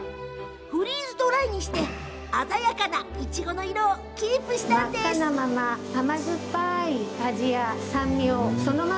フリーズドライにして鮮やかないちごの色をキープしました。